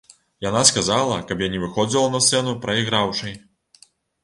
Яна сказала, каб я не выходзіла на сцэну прайграўшай.